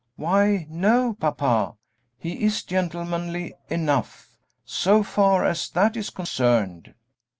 "Why, no, papa, he is gentlemanly enough, so far as that is concerned."